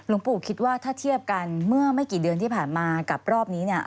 ปู่คิดว่าถ้าเทียบกันเมื่อไม่กี่เดือนที่ผ่านมากับรอบนี้เนี่ย